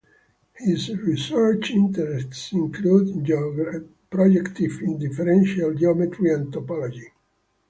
His research interests included projective differential geometry and topology.